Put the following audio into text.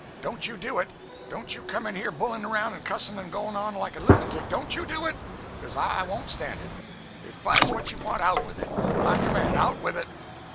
—don't you do it. Don't you come in here bullyin' around, and cussin' and goin' on like a lunatic—don't you do it. 'Coz I won't stand it. If fight's what you want, out with it! I'm your man! Out with it!"